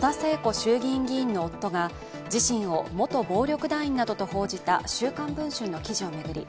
衆議院議員の夫が自身を元暴力団員などと報じた「週刊文春」の記事を巡り